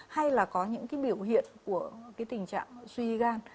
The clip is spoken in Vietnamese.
hay là có những biểu hiện của tình trạng suy gan